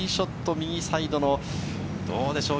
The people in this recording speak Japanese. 右サイドのどうでしょう？